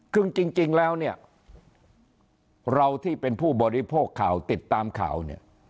ซึ่งจริงแล้วเนี่ยเราที่เป็นผู้บริโภคข่าวติดตามข่าวเนี่ย